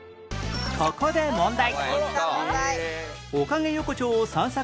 ここで問題